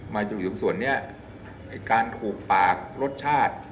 มาจากหลุมส่วนนี้การถูกปากรสชาติ